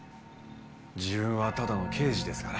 自分はただの刑事ですから。